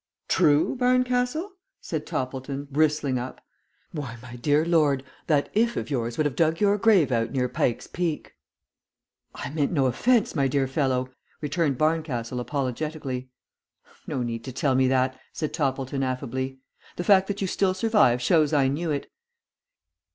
"True, Barncastle?" said Toppleton, bristling up. "Why, my dear lord, that if of yours would have dug your grave out near Pike's Peak." "I meant no offence, my dear fellow," returned Barncastle, apologetically. "No need to tell me that," said Toppleton, affably. "The fact that you still survive shows I knew it.